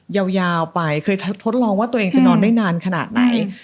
ยาวไปเคยทดลองว่าตัวเองจะนอนได้นานขนาดไหน